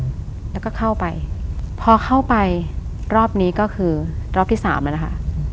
แล้วก็เข้าไปพอเข้าไปรอบนี้ก็คือรอบที่สามอ่ะนะคะ